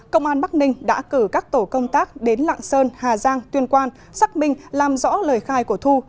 công an bắc ninh đã cử các tổ công tác đến lạng sơn hà giang tuyên quang xác minh làm rõ lời khai của thu